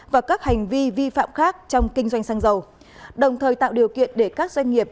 và các hành vi vi phạm khác trong kinh doanh xăng dầu đồng thời tạo điều kiện để các doanh nghiệp